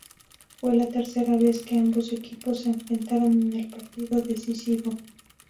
Fue la tercera vez que ambos equipos se enfrentaron en el partido decisivo.